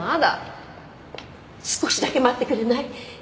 少しだけ待ってくれない？